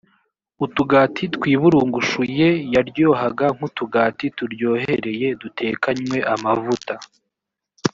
utugati twiburungushuye yaryohaga nk utugati turyohereye dutekanywe n amavuta